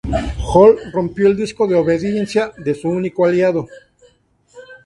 Hulk rompió el disco de obediencia de su único aliado.